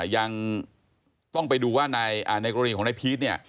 ยังต้องไปดูในโรงเรียนของนายพีท